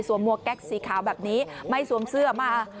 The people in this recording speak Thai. มวกแก๊กสีขาวแบบนี้ไม่สวมเสื้อมา